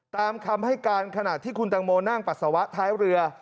ตามคำให้การขณะที่คุณตังโมนั่งปัสสาวะท้ายเรือ